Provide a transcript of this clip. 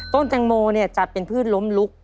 ต้นแตงโมเนี่ยจะเป็นพืชล้มลุก